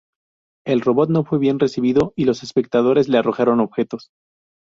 El robot no fue bien recibido, y los espectadores le arrojaron objetos.